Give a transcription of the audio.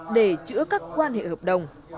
để chữa các quan hệ hợp đồng